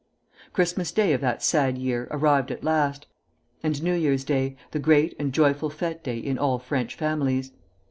Christmas Day of that sad year arrived at last, and New Year's Day, the great and joyful fête day in all French families.